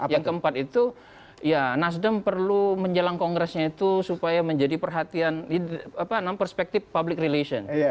yang keempat itu ya nasdem perlu menjelang kongresnya itu supaya menjadi perhatian perspektif public relation